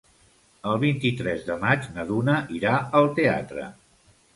El vint-i-tres de maig na Duna irà al teatre.